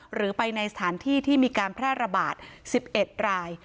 หรือไปในสถานที่ที่มีการแพร่ระบาด๑๑ราย